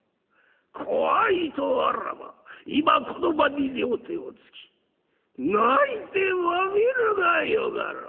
怖いとあらば今この場に両手をつき泣いてわびるがよかろう。